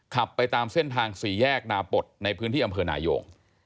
ขับไปตามเส้นทางสี่แยกนาปศในพื้นที่อำเภอนายง